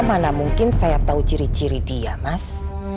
mana mungkin saya tahu ciri ciri dia mas